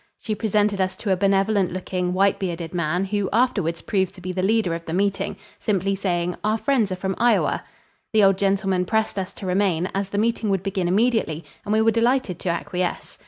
She presented us to a benevolent looking, white bearded man who afterwards proved to be the leader of the meeting, simply saying, "Our friends are from Iowa." The old gentleman pressed us to remain, as the meeting would begin immediately, and we were delighted to acquiesce.